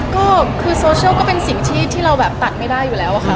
ก็คือโซเชียลก็เป็นสิ่งที่เราแบบตัดไม่ได้อยู่แล้วอะค่ะ